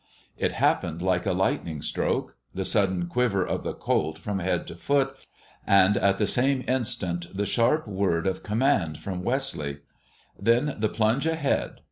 It happened like a lightning stroke, the sudden quiver of the colt from head to foot, and at the same instant the sharp word of command from Wesley, then the plunge ahead.